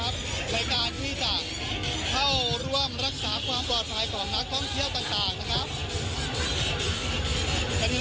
ภายจากร่วมรักษาความบอทภัยกว่านักท่องเที่ยวต่าง